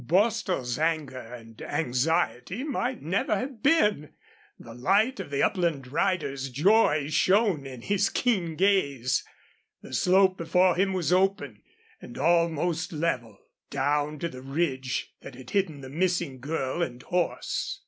Bostil's anger and anxiety might never have been. The light of the upland rider's joy shone in his keen gaze. The slope before him was open, and almost level, down to the ridge that had hidden the missing girl and horse.